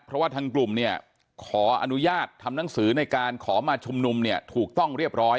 เพราะว่าทางกลุ่มเนี่ยขออนุญาตทำหนังสือในการขอมาชุมนุมเนี่ยถูกต้องเรียบร้อย